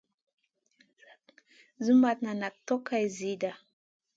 Slak simètna nak tog hay zida.